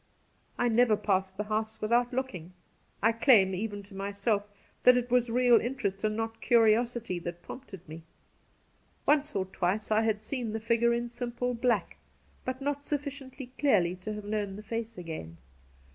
I never passed the house without looking. I claim — even to myself — that it was real interest and not curiosity that prompted Cassidy 143 me. Once or twice I had seen the figure in simple black, but not su£B.ciently clearly to have known the face again.